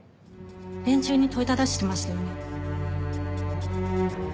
連中に問いただしてましたよね？